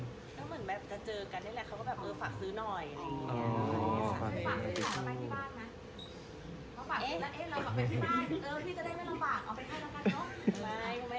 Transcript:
อย่างเราคุยกับพี่เขา๕เดือนอะคนรอบข้างรู้ว่าเราคุยกับพี่เขา